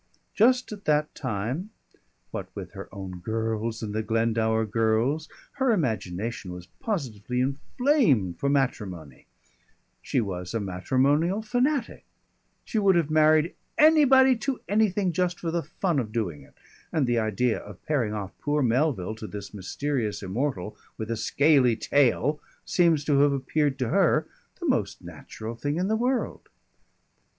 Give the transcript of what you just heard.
Just at that time, what with her own girls and the Glendower girls, her imagination was positively inflamed for matrimony; she was a matrimonial fanatic; she would have married anybody to anything just for the fun of doing it, and the idea of pairing off poor Melville to this mysterious immortal with a scaly tail seems to have appeared to her the most natural thing in the world.